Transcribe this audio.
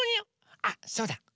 あっそうだ。